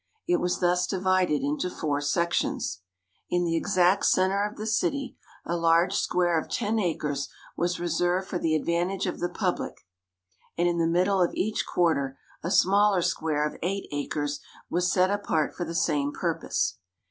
It was thus divided into four sections. In the exact centre of the city, a large square of ten acres was reserved for the advantage of the public, and in the middle of each quarter a smaller square of eight acres was set apart for the same purpose.